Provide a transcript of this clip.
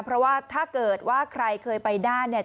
เพราะว่าถ้าเกิดว่าใครเคยไปด้านเนี่ย